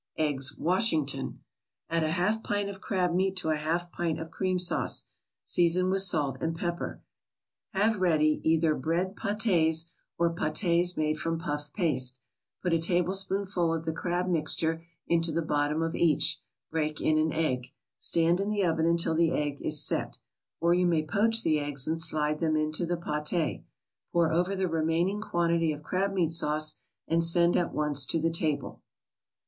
EGGS WASHINGTON Add a half pint of crab meat to a half pint of cream sauce. Season with salt and pepper. Have ready either bread pates or pates made from puff paste. Put a tablespoonful of the crab mixture in the bottom of each. Break in an egg. Stand in the oven until the egg is "set." Or you may poach the eggs and slide them into the pate. Pour over the remaining quantity of crabmeat sauce, and send at once to the table.